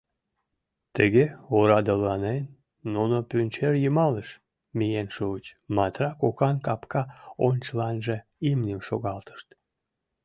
Тыге орадыланен нуно Пӱнчерйымалыш миен шуыч, Матра кокан капка ончыланже имньым шогалтышт.